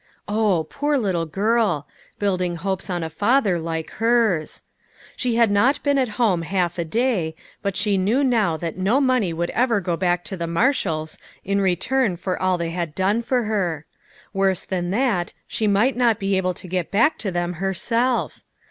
Oh, poor little girl ! building hopes on a father like hers. She had not been at home half a day, but she knew now that no money would ever go back to the Marshalls in return for all they had done for her. Worse than that, she might not be able to get back to them herself.